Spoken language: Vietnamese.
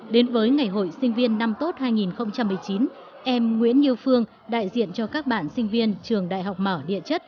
đến với ngày hội sinh viên năm tốt hai nghìn một mươi chín em nguyễn như phương đại diện cho các bạn sinh viên trường đại học mở địa chất